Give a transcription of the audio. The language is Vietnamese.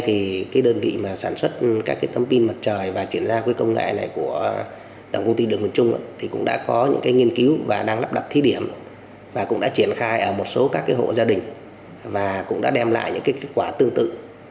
thì cái đơn vị mà sản xuất các cái tấm pin mặt trời và chuyển ra cái công nghệ này của tổng công ty đường miền trung thì cũng đã có những cái nghiên cứu và đang lắp đặt thí điểm và cũng đã triển khai ở một số các hộ gia đình và cũng đã đem lại những cái kết quả tương tự